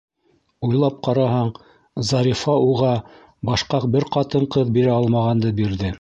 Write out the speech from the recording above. Уйлап ҡараһаң, Зарифа уға башҡа бер ҡатын-ҡыҙ бирә алмағанды бирҙе.